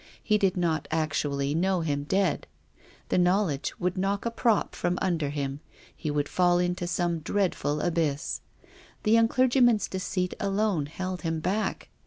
He did not actually know him dead. The knowledge would knock a prop from under him. He would fall into some dreadful abyss. The young clergyman's deceit alone held him back.